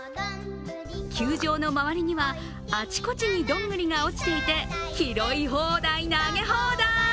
球場の周りにはあちこちにどんぐりが落ちていて、拾い放題、投げ放題。